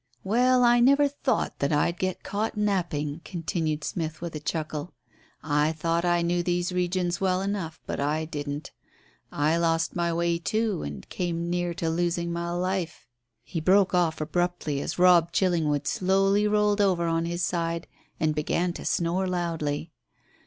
"Well, I never thought that I'd get caught napping," continued Smith, with a chuckle. "I thought I knew these regions well enough, but I didn't. I lost my way, too, and came near to losing my life " He broke off abruptly as Robb Chillingwood slowly rolled over on his side and began to snore loudly.